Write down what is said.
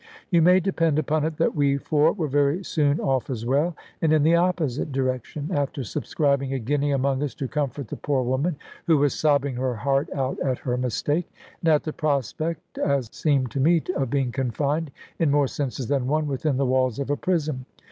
You may depend upon it that we four were very soon off as well, and in the opposite direction, after subscribing a guinea among us to comfort the poor woman, who was sobbing her heart out at her mistake, and at the prospect (as seemed to me) of being confined, in more senses than one, within the walls of a prison.